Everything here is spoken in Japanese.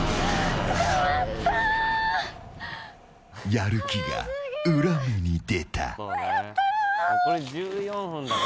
やる気が裏目に出た。